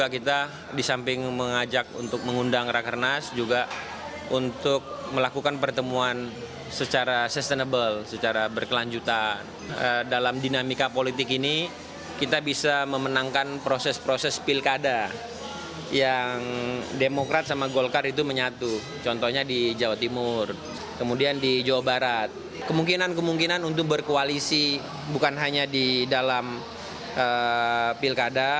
kemungkinan kemungkinan untuk berkoalisi bukan hanya di dalam pilkada